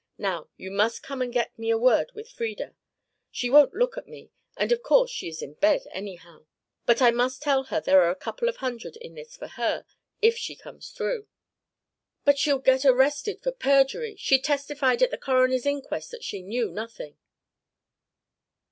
Now you must come and get me a word with Frieda. She won't look at me, and of course she is in bed anyhow. But I must tell her there are a couple of hundred in this for her if she comes through " "But she'll be arrested for perjury. She testified at the coroner's inquest that she knew nothing."